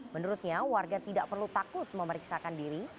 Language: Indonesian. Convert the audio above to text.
menurutnya warga tidak perlu takut memeriksakan diri